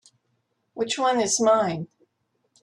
Which one is mine?